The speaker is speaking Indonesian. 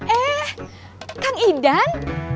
eh kang idan